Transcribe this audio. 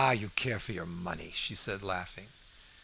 you care for your money," she said laughing.